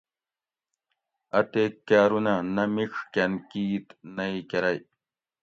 اتیک کاۤرونہ نہ مِڄ کۤن کِیت نہ ای کرئ